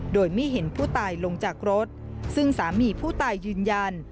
โดยไม่เห็นผู้ตายลงจากรถซึ่งสามีผู้ตายยืนยัน